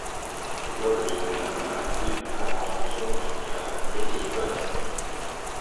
Il se doit de gérer l'intégralité de l'intervention chirurgicale, quelle que soit la discipline.